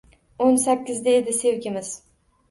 O’n sakkizda edi sevgimiz